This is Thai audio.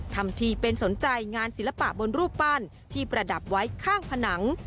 ทำทีเป็นสนใจงานศิลปะบนรูปปั้นที่ประดับไว้ข้างผนัง